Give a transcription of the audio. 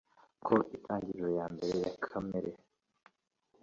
ko intangiriro yambere ya kamere